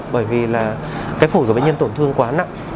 bởi vì là cái phổi của bệnh nhân tổn thương quá nặng